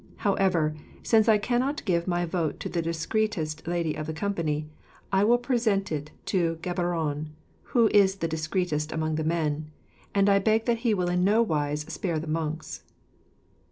However, since I cannot give my vote to the discreetest lady of the company, I will present it to Geburon, who is the discreetest among the men; and I beg that he will in no wise spare the monks."